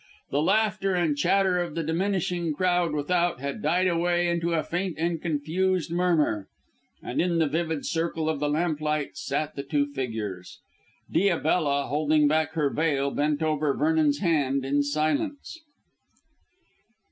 The laughter and chatter of the diminishing crowd without had died away into a faint and confused murmur, and in the vivid circle of the lamplight sat the two figures. Diabella, holding back her veil, bent over Vernon's hand in silence.